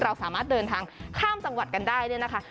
เราสามารถเดินทางข้ามจังหวัดกันได้เนี่ยนะคะ